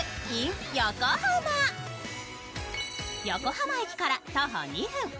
横浜駅から徒歩２分。